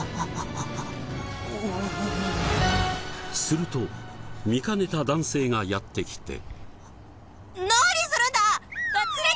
すると見かねた男性がやって来て。